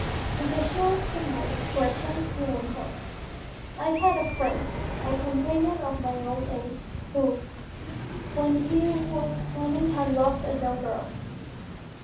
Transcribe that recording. With the assurance of my discretion he went on: "I had a friend, a companion of my own age, who, when he was twenty, had loved a young girl.